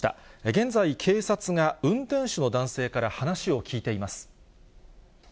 現在、警察が運転手の男性から話を聴いています。